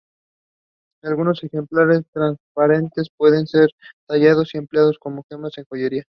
Algunos ejemplares transparente pueden ser tallados y empleados como gemas en joyería.